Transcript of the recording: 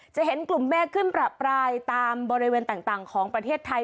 จะเห็นกลุ่มเมฆขึ้นประปรายตามบริเวณต่างของประเทศไทย